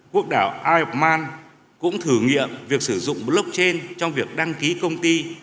quốc đảo iron man cũng thử nghiệm việc sử dụng blockchain trong việc đăng ký công ty